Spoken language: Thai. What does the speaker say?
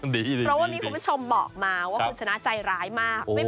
เพราะว่ามีคุณผู้ชมบอกมาว่าคุณชนะใจร้ายมาก